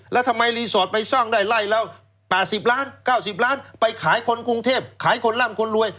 แล้วทำไมรีสอร์ทไปสร้างได้ไล่แล้ว๘๐ล้าน๙๐ล้านไปขายคนกรุงเทพขายคนร่ำคนรวย